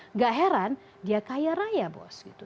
nggak heran dia kaya raya bos gitu